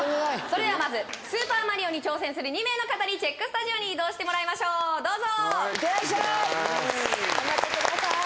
それではまずスーパーマリオに挑戦２名の方にチェックスタジオに移動してもらいましょうどうぞいってらっしゃい頑張ってください